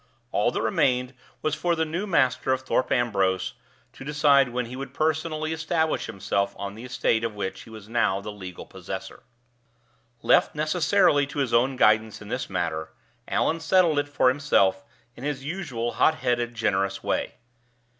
All that remained was for the new master of Thorpe Ambrose to decide when he would personally establish himself on the estate of which he was now the legal possessor. Left necessarily to his own guidance in this matter, Allan settled it for himself in his usual hot headed, generous way.